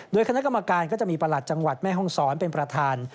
โดยคณะกรรมการก็จะมีประหลัดจังหวัดแม่ห้องศรเป็นประธาน